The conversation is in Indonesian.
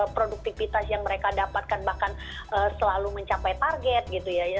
produktivitas yang mereka dapatkan bahkan selalu mencapai target gitu ya